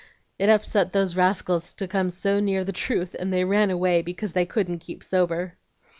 It upset those rascals to come so near the truth, and they ran away because they couldn't keep sober."